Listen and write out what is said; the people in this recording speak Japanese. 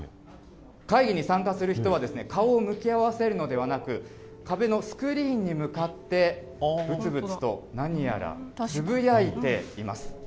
会議に参加する人はですね、顔を向き合わせるのではなく、壁のスクリーンに向かって、ぶつぶつと何やらつぶやいています。